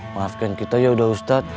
maafkan kita yaudah ustadz